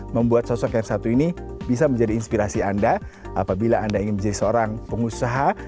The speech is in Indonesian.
membuat sosok yang satu ini bisa menjadi inspirasi anda apabila anda ingin menjadi seorang pengusaha